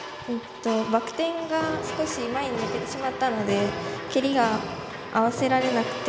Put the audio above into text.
バク転が少し前に抜けてしまったので蹴りが合わせられなくて。